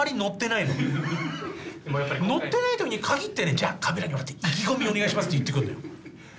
ノってない時に限ってねじゃカメラに向かって意気込みをお願いしますって言ってくんのよ。